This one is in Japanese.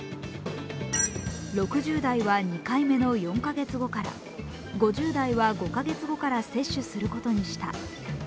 ６０代は２回目の４カ月後から、５０代は５カ月後から接種することにした。